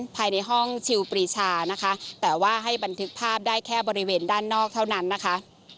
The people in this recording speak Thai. ภายในห้องชิลปรีชานะคะแต่ว่าให้บันทึกภาพได้แค่บริเวณด้านนอกเท่านั้นนะคะ